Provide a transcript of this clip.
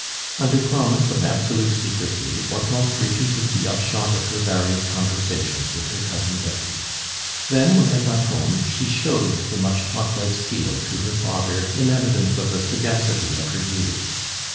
Under promise of absolute secrecy, Hortense repeated the upshot of her various conversations with her Cousin Betty. Then, when they got home, she showed the much talked of seal to her father in evidence of the sagacity of her views.